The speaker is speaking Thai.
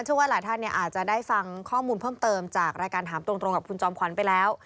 ว่าหลายท่านอาจจะได้ฟังข้อมูลเพิ่มเติมจากรายการถามตรงกับคุณจอมขวัญไปแล้ว